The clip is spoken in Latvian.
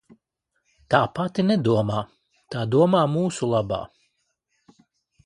Tā pati nedomā, tā domā mūsu labā.